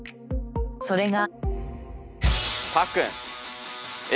それが。